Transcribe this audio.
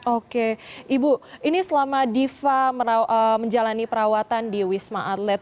oke ibu ini selama diva menjalani perawatan di wisma atlet